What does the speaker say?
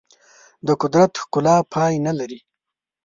د قدرت ښکلا پای نه لري.